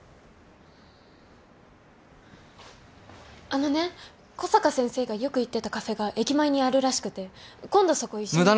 あのね小坂先生がよく行ってたカフェが駅前にあるらしくて今度そこ一緒に。